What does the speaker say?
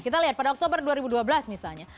kita lihat pada oktober dua ribu dua belas misalnya